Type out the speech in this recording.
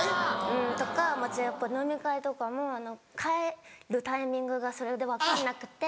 うんとかやっぱ飲み会とかも帰るタイミングがそれで分かんなくて。